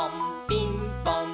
ピンポーン！